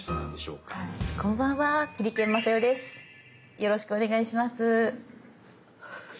よろしくお願いします。